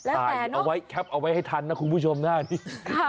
ถ่ายเอาไว้แคปเอาไว้ให้ทันนะคุณผู้ชมหน้านี้